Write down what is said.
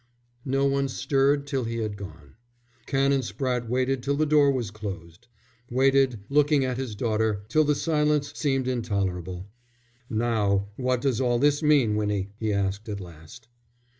No one stirred till he had gone. Canon Spratte waited till the door was closed; waited, looking at his daughter, till the silence seemed intolerable. "Now, what does all this mean, Winnie?" he asked at last.